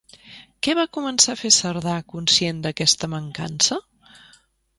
Què va començar a fer Cerdà conscient d'aquesta mancança?